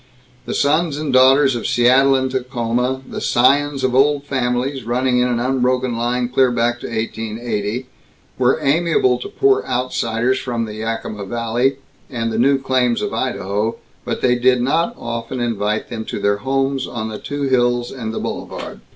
The sons and daughters of Seattle and Tacoma, the scions of old families running in an unbroken line clear back to 1880, were amiable to poor outsiders from the Yakima valley and the new claims of Idaho, but they did not often invite them to their homes on the two hills and the Boulevard.